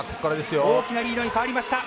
大きなリードに変わりました。